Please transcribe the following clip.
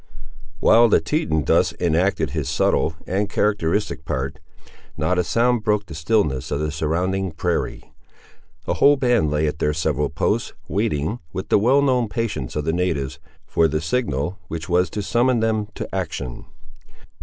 While the Teton thus enacted his subtle and characteristic part, not a sound broke the stillness of the surrounding prairie. The whole band lay at their several posts, waiting, with the well known patience of the natives, for the signal which was to summon them to action.